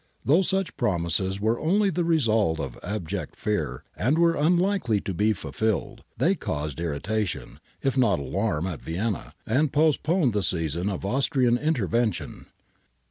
Though such promises were only the result of abject fear and were unlikely to be fulfilled, they caused irritation, if not alarm, at Vienna,^ and postponed the season of Austrian intervention.